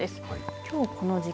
きょうこの時間